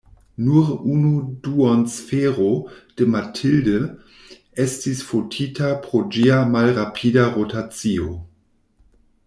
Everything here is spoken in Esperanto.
Nur unu duonsfero de "Mathilde" estis fotita pro ĝia malrapida rotacio.